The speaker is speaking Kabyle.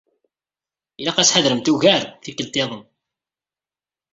Ilaq ad tḥadremt ugar tikelt-iḍen.